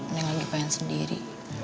neng lagi pengen sendiri